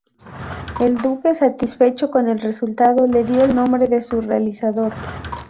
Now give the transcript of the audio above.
El Duque, satisfecho con el resultado, le dio el nombre de su realizador.